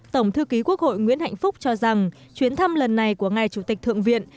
tổng thư ký quốc hội nguyễn hạnh phúc cho rằng chuyến thăm lần này của ngài chủ tịch thượng viện